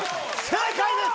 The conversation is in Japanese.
正解です！